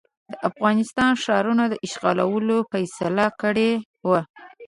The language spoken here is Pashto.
د افغانستان ښارونو اشغالولو فیصله کړې وه.